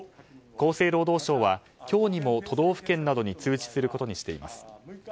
厚生労働省は今日にも都道府県などに通知することにしています。